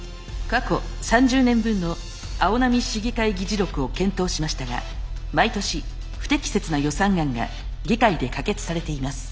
過去３０年分の青波市議会議事録を検討しましたが毎年不適切な予算案が議会で可決されています。